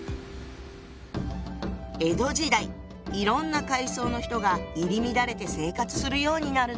江戸時代いろんな階層の人が入り乱れて生活するようになるの。